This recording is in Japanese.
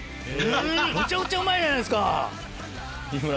めちゃくちゃうまいじゃないですか！